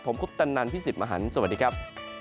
ผมคุปตันนันพี่สิทธิ์มหันฯสวัสดีครับ